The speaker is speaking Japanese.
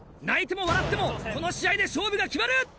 泣いても笑ってもこの試合で勝負が決まる！